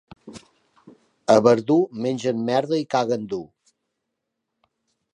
A Verdú mengen merda i caguen dur.